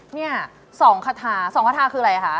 เนี่ย๒คาถา๒คาทาคืออะไรคะ